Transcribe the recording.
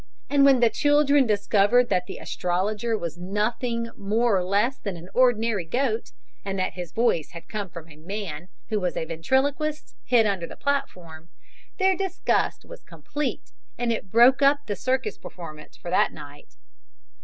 And when the children discovered that the astrologer was nothing more or less than an ordinary goat, and that his voice had come from a man, who was a ventriloquist, hid under the platform, their disgust was complete and it broke up the circus performance for that night.